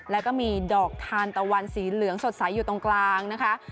แล้วก็มีดอกทานตะวันสีเหลืองสดใสอยู่ตรงกลางนะคะ